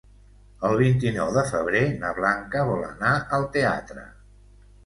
El vint-i-nou de febrer na Blanca vol anar al teatre.